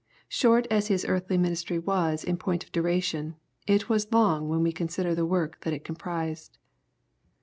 *' Short as Hie earthly ministry was in point of duration, it was long when we consider the work that it comprised.